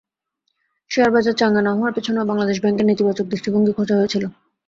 শেয়ারবাজার চাঙা না হওয়ার পেছনেও বাংলাদেশ ব্যাংকের নেতিবাচক দৃষ্টিভিঙ্গ খোঁজা হয়েছিল।